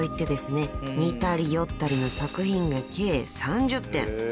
似たり寄ったりの作品が計３０点。